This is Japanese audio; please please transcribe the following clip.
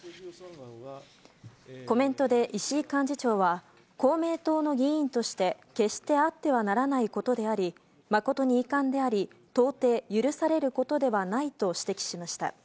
コメントで石井幹事長は、公明党の議員として決してあってはならないことであり、誠に遺憾であり、到底許されることではないと指摘しました。